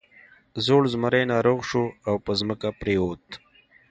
زوړ زمری ناروغ شو او په ځمکه پریوت.